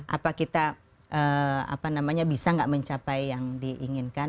apa kita bisa nggak mencapai yang diinginkan